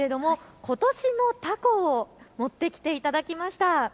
ことしのたこを持ってきていただきました。